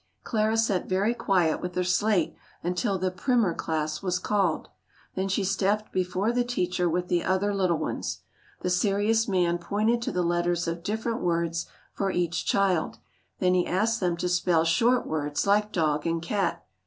Clara sat very quiet with her slate until the primer class was called. Then she stepped before the teacher with the other little ones. The serious man pointed to the letters of different words for each child, then he asked them to spell short words like dog and cat.